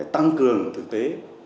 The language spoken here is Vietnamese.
tăng cường thực tế